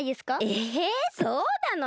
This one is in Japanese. えそうなの？